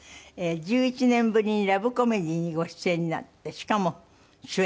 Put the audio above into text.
１１年ぶりにラブコメディーにご出演になってしかも主演。